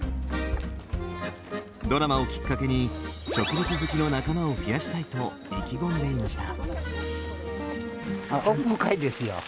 ドラマをきっかけに植物好きの仲間を増やしたいと意気込んでいました。